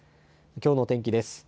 きょうの天気です。